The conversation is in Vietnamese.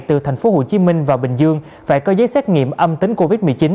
từ thành phố hồ chí minh và bình dương phải có giấy xét nghiệm âm tính covid một mươi chín